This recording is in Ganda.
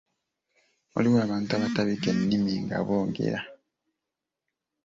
Waliwo abantu abatabika ennimi nga boogera.